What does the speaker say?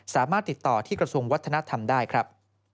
สามารถติดต่อที่กระทรวงวัฒนธรรมได้ครับ